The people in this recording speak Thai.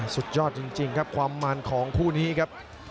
สุดยอดจริงครับความมันของคู่นี้ครับ